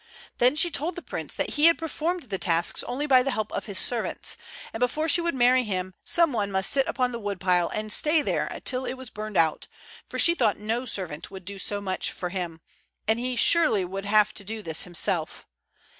Then she told the prince that he had performed the tasks only by the help of his servants, and before she would marry him some one must sit upon the woodpile and stay there till it was burned out; for she thought no servant would do so much for him, and he surely would have to do this himself.